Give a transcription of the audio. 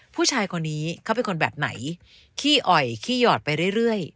ผู้ชายคนนี้เขาเป็นคนแบบไหนขี้อ่อยขี้หยอดไปเรื่อย